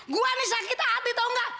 gue sakit hati tau enggak